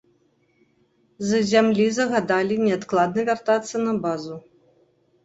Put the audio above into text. З зямлі загадалі неадкладна вяртацца на базу.